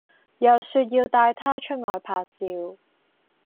又說要帶她出外拍照